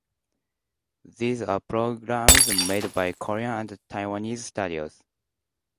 These are programmes made by Korean and Taiwanese studios.